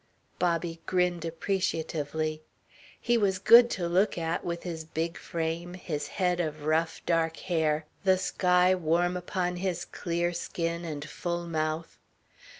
Bobby grinned appreciatively. He was good to look at, with his big frame, his head of rough dark hair, the sky warm upon his clear skin and full mouth.